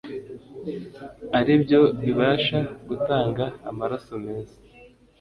ari byo bibasha gutanga amaraso meza.